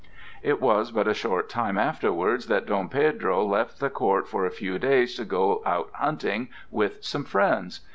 It was but a short time afterwards that Dom Pedro left the court for a few days to go out hunting with some friends.